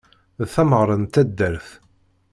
D tameɣra n taddart.